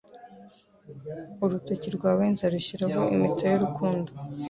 Urutoki rwawe nzarushyiraho impeta y’urukundo